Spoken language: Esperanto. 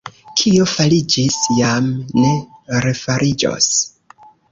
Kio fariĝis, jam ne refariĝos.